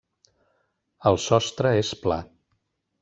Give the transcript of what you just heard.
El sostre és pla.